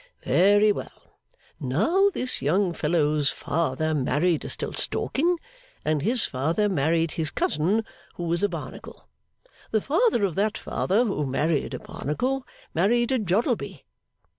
Very well. Now this young fellow's father married a Stiltstalking and his father married his cousin who was a Barnacle. The father of that father who married a Barnacle, married a Joddleby.